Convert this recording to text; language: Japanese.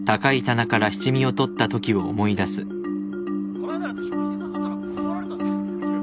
この間なんて食事誘ったら断られたんですよ。